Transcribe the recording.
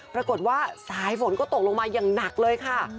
ปรากฏว่าสายฝนก็ตกลงมาอย่างหนักเลยค่ะ